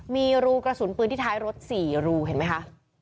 มีรูกระสุนปืนที่ท้ายรถ๔รูเห็นไหมคะ